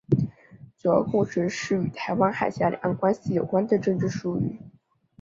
九二共识是与台湾海峡两岸关系有关的政治术语。